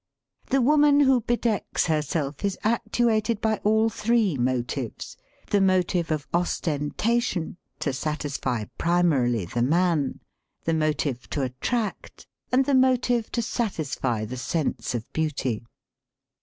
The woman who bedecks herself is actuated by all three motives — ^the motive of os tentation (to satisfy primarily the man), the mo tive to attract, and the motive to satisfy the sense of beauty.